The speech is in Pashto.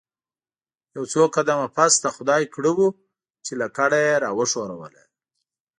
یو څو قدمه پس د خدای کړه وو چې لکړه یې راوښوروله.